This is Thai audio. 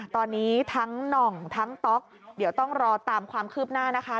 ตอนนี้ทั้งหน่องทั้งต๊อกเดี๋ยวต้องรอตามความคืบหน้านะคะ